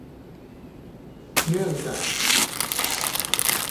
เนื่องจาก